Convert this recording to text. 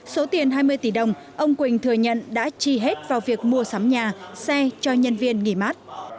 số tiền hai mươi tỷ đồng ông quỳnh thừa nhận đã chi hết vào việc mua sắm nhà xe cho nhân viên nghỉ mát